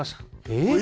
えっ！